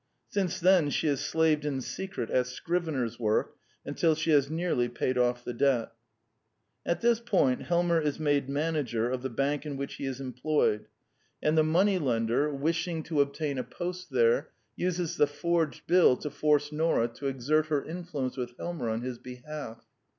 Since then she has slaved in secret at scrivener's work until she has nearly paid off the debt. At this point Helmer is made manager of the bank in which he is employed; and the money 90 The Quintessence of Ibsenism lender, wishing to obtain a post there, uses the forged bill to force Nora to exert her influence with Helmer on his behalf.